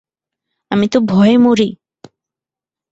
আমি তো ভয়ে মরি!